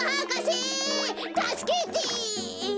たすけてえ？